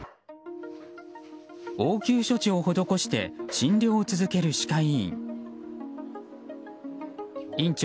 応急処置を施して診療を続ける歯科医院。